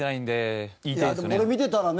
いやでもこれ見てたらね。